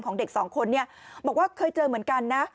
เด็กสองคนเนี่ยบอกว่าเคยเจอเหมือนกันนะ